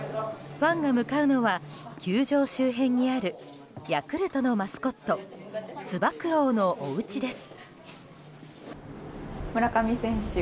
ファンが向かうのは球場周辺にあるヤクルトのマスコットつば九郎のお家です。